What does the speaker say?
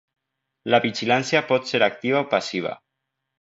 La vigilància pot ser activa o passiva.